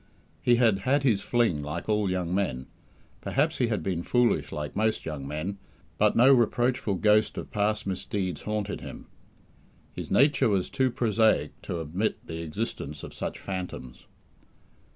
He had "had his fling, like all young men", perhaps he had been foolish like most young men, but no reproachful ghost of past misdeeds haunted him. His nature was too prosaic to admit the existence of such phantoms.